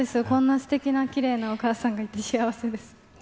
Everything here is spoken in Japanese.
こんなすてきな、きれいなお母さんがいて幸せです。